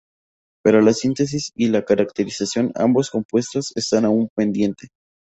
Pero la síntesis y caracterización ambos compuestos está aún pendiente.